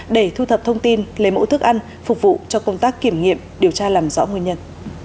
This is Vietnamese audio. để thu thập thông tin lấy mẫu thức ăn phục vụ cho công tác kiểm nghiệm điều tra làm rõ nguyên nhân